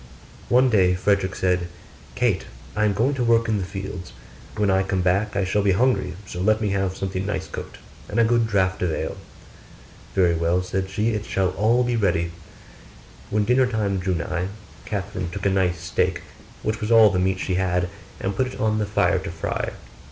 One day Frederick said. 'Kate! I am going to work in the fields; when I come back I shall be hungry so let me have something nice cooked, and a good draught of ale.' 'Very well,' said she, 'it shall all be ready.' When dinner time drew nigh, Catherine took a nice steak, which was all the meat she had, and put it on the fire to fry.